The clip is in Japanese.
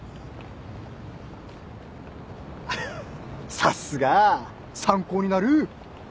さすが参考になる。